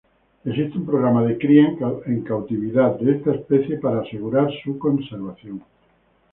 Existe un programa de cría en cautividad de esta especie para asegurar su conservación.